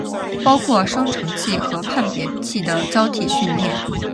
包括生成器和判别器的交替训练